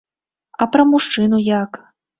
А пра мужчыну як?